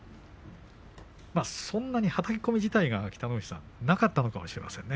そんなに、はたき込み自体がそんなになかったのかもしれませんね。